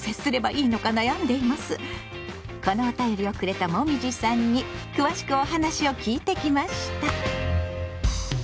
このおたよりをくれたもみじさんに詳しくお話を聞いてきました。